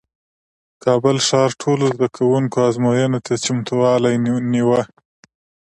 کابل ښار ټولو زدکوونکو ازموینې ته چمتووالی نیوه